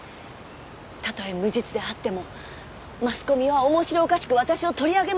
たとえ無実であってもマスコミは面白おかしく私を取り上げますよね。